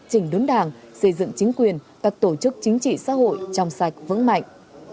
chỉnh đốn đảng xây dựng chính quyền các tổ chức chính trị xã hội trong sạch vững mạnh